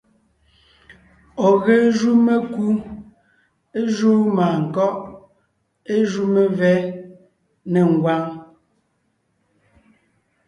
Ɔ̀ ge jú mekú, é júu mânkɔ́ʼ, é jú mevɛ́ nê ngwáŋ.